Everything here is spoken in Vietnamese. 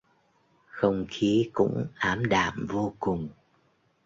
Không khí cũng ảm đạm vô cùng